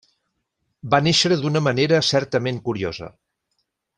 Va néixer d’una manera certament curiosa.